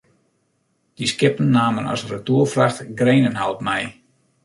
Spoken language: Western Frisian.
Dy skippen namen as retoerfracht grenenhout mei.